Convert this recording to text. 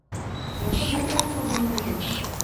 Яжонок вӓк тодын лужым.